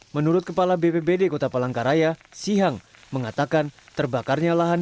menurut kepala bpbd kota palangkaraya sihang mengatakan terbakarnya lahan